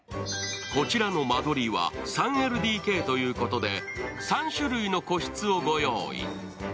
こちらの間取りは３ＬＤＫということで、３種類の個室をご用意。